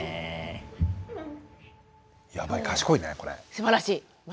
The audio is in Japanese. すばらしいまた。